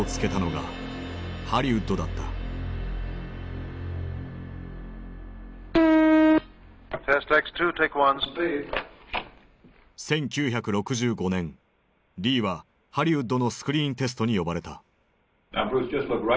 １９６５年リーはハリウッドのスクリーンテストに呼ばれた。